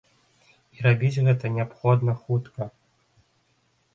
І рабіць гэта неабходна хутка.